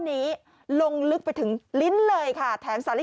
เอหี้เอฮีเอฮีมากูนิ